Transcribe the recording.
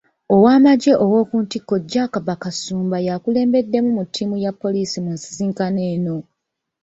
Owamajje ow'okuntiko Jack Bakasumba y'akulembeddemu ttiimu ya poliisi mu nsisinkano eno.